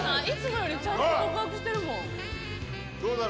いつもよりちゃんと告白してるもん。